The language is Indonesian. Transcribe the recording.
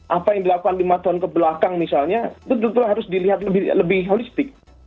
apa yang dilakukan lima tahun kebelakang misalnya itu betul betul harus dilihat lebih holistik